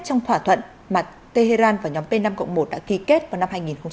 trong thỏa thuận mặt tehran và nhóm p năm một đã thi kết vào năm hai nghìn một mươi năm